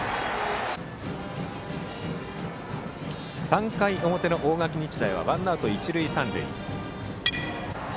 ３回の表の大垣日大はワンアウト、一塁三塁。